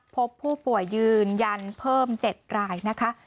พบผู้ป่วยยืนยันเพิ่ม๗รายนะคะ